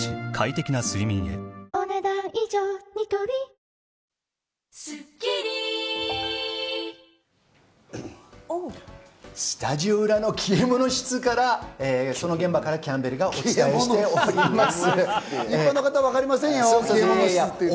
三菱電機スタジオ裏の消え物室から、現場からキャンベルがお伝えしております。